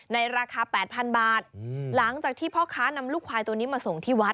ราคา๘๐๐๐บาทหลังจากที่พ่อค้านำลูกควายตัวนี้มาส่งที่วัด